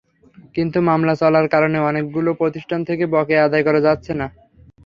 কিন্তু মামলা চলার কারণে অনেকগুলো প্রতিষ্ঠান থেকে বকেয়া আদায় করা যাচ্ছে না।